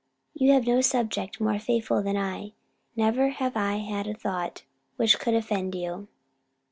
You have no subject more faithful than I. Never have I had a thought which could offend you."